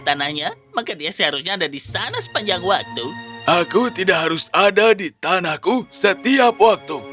tanahnya maka dia seharusnya ada di sana sepanjang waktu aku tidak harus ada di tanahku setiap waktu